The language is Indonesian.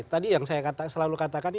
tadi yang saya selalu katakan